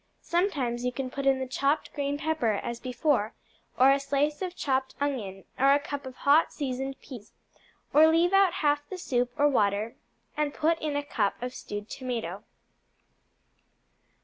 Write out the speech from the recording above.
Sometimes you can put in the chopped green pepper, as before, or a slice of chopped onion, or a cup of hot, seasoned peas; or, leave out half the soup or water, and put in a cup of stewed tomato.